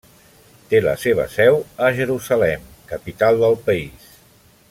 Té la seva seu a Jerusalem, capital del país.